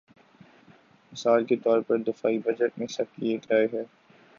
مثال کے طور پر دفاعی بجٹ میں سب کی ایک رائے ہے۔